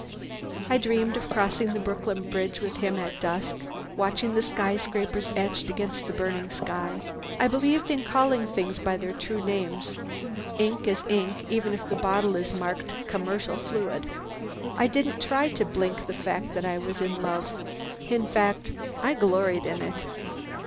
I dreamed of crossing the Brooklyn Bridge with him at dusk, watching the skyscrapers etched against a burning sky. I believed in calling things by their true names. Ink is ink, even if the bottle is marked "commercial fluid." I didn't try to blink the fact that I was in love. In fact, I gloried in it.